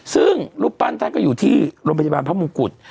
ซึ่งรูปปั้นท่านก็อยู่ที่โรงพยาบาลพระมงกุฎ